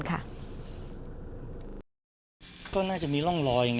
ก็น่าจะมีร่องรอย